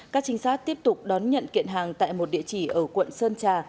các trinh sát tiếp tục đón nhận kiện hàng tại một địa chỉ ở quận sơn trà